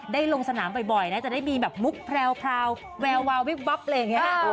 ได้ลงสนามบ่อยจะได้มีแบบมุกแพรวแวววิบบ๊อบแบบนี้ค่ะ